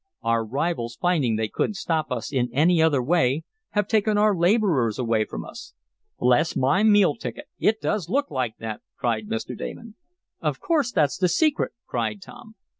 Our rivals finding they couldn't stop us in any other way have taken our laborers away from us." "Bless my meal ticket! It does look like that!" cried Mr. Damon. "Of course that's the secret!" cried Tom.